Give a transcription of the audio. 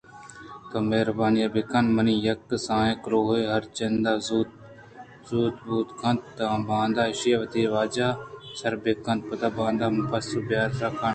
تو مہربانی بہ کن منی یک کسانیں کلوہے ہرچند زوت بوت کنت تاں باندا ایشیءَ وتی واجہ ءَ سربہ کن ءُپدا باندا من ءَ پسو ءَ بیار سرکن